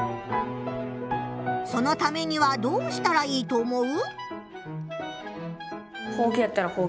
そのためにはどうしたらいいと思う？